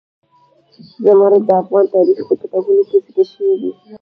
زمرد د افغان تاریخ په کتابونو کې ذکر شوی دي.